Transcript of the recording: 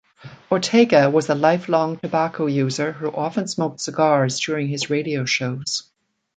Ortega was a lifelong tobacco user who often smoked cigars during his radio shows.